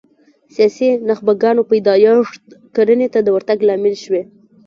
سیاسي نخبګانو پیدایښت کرنې ته د ورتګ لامل شوي